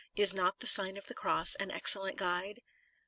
Is not the Sign of the Cross an excellent guide